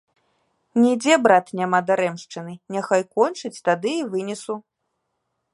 Нідзе, брат, няма дарэмшчыны, няхай кончыць, тады і вынесу.